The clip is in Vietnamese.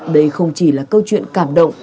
đây không chỉ là câu chuyện cảm động